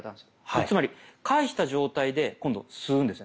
つまりかえした状態で今度吸うんですね。